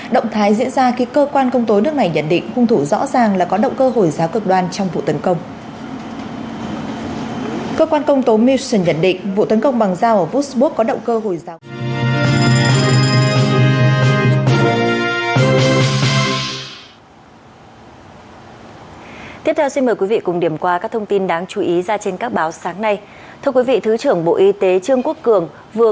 động thái diễn ra khi cơ quan công tối nước này nhận định hung thủ rõ ràng là có động cơ hồi giáo cực đoan trong vụ tấn công